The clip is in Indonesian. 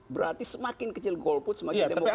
berarti semakin kecil golput semakin demokratis